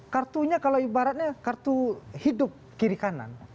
kartunya kalau ibaratnya kartu hidup kiri kanan